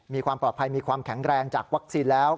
มีความปลอดภัยมีความแข็งแรงจากวัคซีนแล้ว